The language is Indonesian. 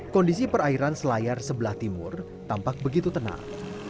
kondisi perairan selayar sebelah timur tampak begitu tenang